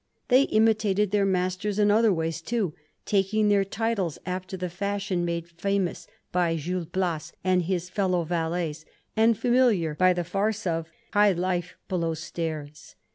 They imitated their masters in other ways, too, taking theu' titles after the feshiork made famous by Gil Bias and his fellow valets, and fiuniliar by the farce of * High Life Below Stairs.''